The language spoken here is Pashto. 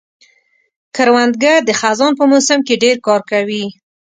کروندګر د خزان په موسم کې ډېر کار کوي